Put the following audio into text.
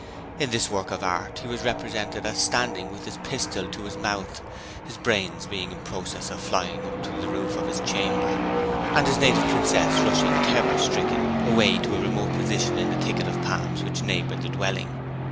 In this work of art he was represented as standing with his pistol to his mouth, his brains being in process of flying up to the roof of his chamber, and his native princess rushing terror stricken away to a remote position in the thicket of palms which neighboured the dwelling.